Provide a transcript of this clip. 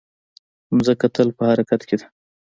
مځکه تل په حرکت کې ده.